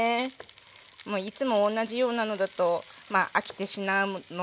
もういつも同じようなのだとまあ飽きてしまう。